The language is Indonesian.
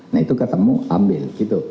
nah itu ketemu ambil